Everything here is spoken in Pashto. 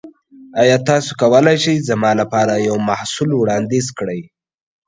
ایا تاسو کولی شئ زما لپاره یو محصول وړاندیز کړئ؟